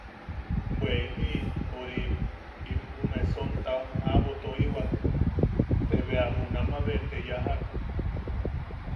–Bwe imi... orim... ume sontaom aʼabo toiwak, te bea junama be te yajak.